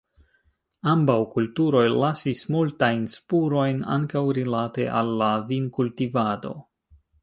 Ambaŭ kulturoj lasis multajn spurojn, ankaŭ rilate al la vinkultivado.